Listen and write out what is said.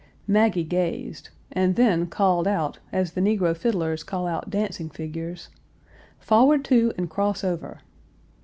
Maggie gazed, and then called out as the negro fiddlers call out dancing figures, "Forward two and cross over!"